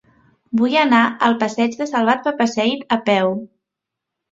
Vull anar al passeig de Salvat Papasseit a peu.